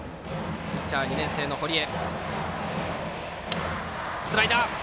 ピッチャー、２年生の堀江。